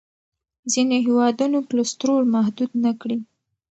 ځینو هېوادونو کلسترول محدود نه کړ.